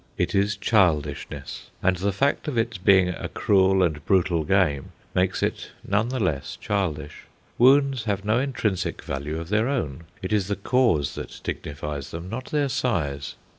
It is childishness, and the fact of its being a cruel and brutal game makes it none the less childish. Wounds have no intrinsic value of their own; it is the cause that dignifies them, not their size.